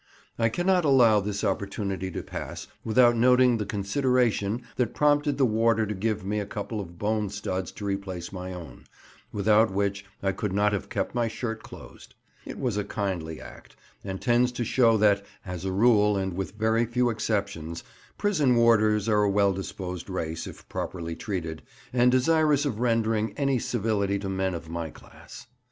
I cannot allow this opportunity to pass without noting the consideration that prompted the warder to give me a couple of bone studs to replace my own, without which I could not have kept my shirt closed. It was a kindly act, and tends to show that, as a rule and with very few exceptions, prison warders are a well disposed race if properly treated, and desirous of rendering any civility to men of my class.